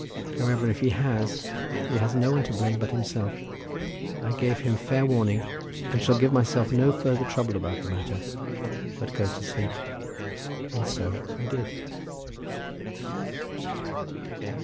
However, if he has, he has no one to blame but himself. I gave him fair warning, and shall give myself no further trouble about the matter, but go to sleep," and so I did.